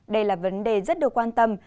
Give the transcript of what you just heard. đây là vấn đề rất được quan tâm